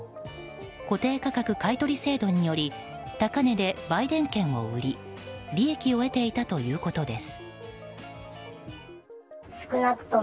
固定価格買い取り制度により高値で売電権を売り利益を得ていたということです。